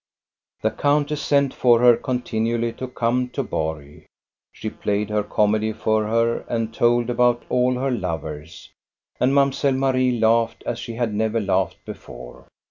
The countess sent for her continually to come to Borg. She played her comedy for her and told about all her lovers, and Mamselle Marie laughed as she had never laughed before.